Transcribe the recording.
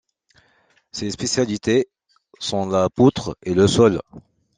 Ses spécialités sont la poutre et le sol.